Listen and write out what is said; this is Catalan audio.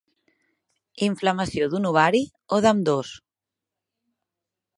Inflamació d'un ovari o d'ambdós.